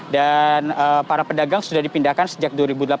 dan para pedagang sudah dipindahkan sejak dua ribu delapan belas